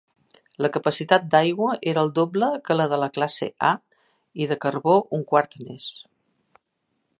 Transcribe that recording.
La capacitat d'aigua era el doble que la de la classe A i de carbó un quart més.